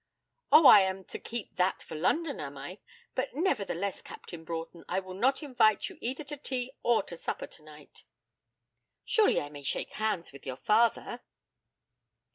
'Oh! I am to keep that for London, am I? But, nevertheless, Captain Broughton, I will not invite you either to tea or to supper tonight.' 'Surely I may shake hands with your father.'